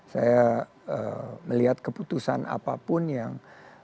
saya melihat keputusan apapun yang